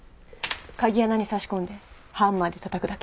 鍵穴に差し込んでハンマーでたたくだけ。